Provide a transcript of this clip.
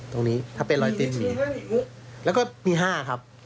ตรงนี้ถ้าเป็นรอยติดแล้วก็มี๕ครับ